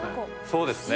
そうですね。